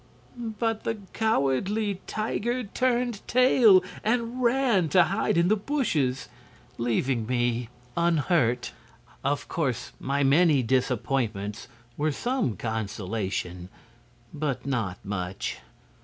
But the cowardly tiger turned tail and ran to hide in the bushes, leaving me unhurt! "Of course, my many disappointments were some consolation; but not much.